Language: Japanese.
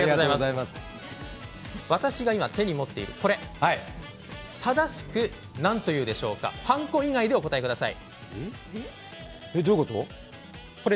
私が今手に持っているこれ正しく、なんと言うでしょうかはんこ以外でお答えください。